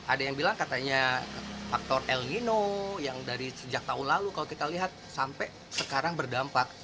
ada yang bilang katanya faktor el nino yang dari sejak tahun lalu kalau kita lihat sampai sekarang berdampak